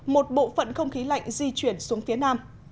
một bộ phận không khí lạnh di chuyển xuống phía nam